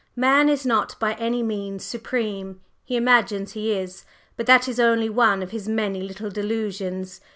"Man is not by any means supreme. He imagines he is, but that is only one of his many little delusions.